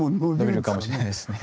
伸びるかもしれないですね。